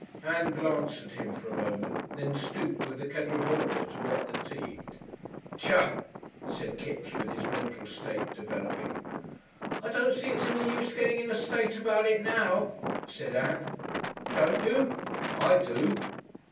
Ann glanced at him for a moment, then stooped with the kettle holder to wet the tea. "Tcha!" said Kipps, with his mental state developing. "I don't see it's any use getting in a state about it now," said Ann. "Don't you? I do.